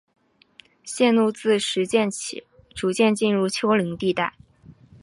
线路自石涧起逐渐进入丘陵地带。